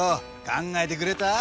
考えてくれた？